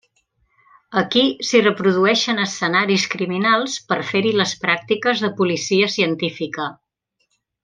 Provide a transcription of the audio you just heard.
Aquí s'hi reprodueixen escenaris criminals per fer-hi les pràctiques de policia científica.